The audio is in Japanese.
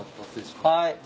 はい。